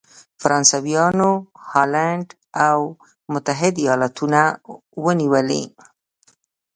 فرانسویانو هالنډ او متحد ایالتونه ونیولې.